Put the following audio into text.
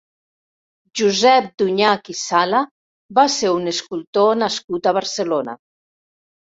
Josep Dunyach i Sala va ser un escultor nascut a Barcelona.